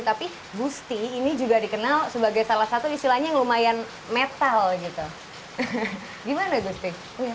tapi gusti ini juga dikenal sebagai salah satu istilahnya yang lumayan metal gitu gimana gusti